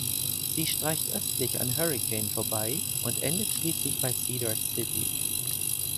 Sie streicht östlich an Hurricane vorbei und endet schließlich bei Cedar City.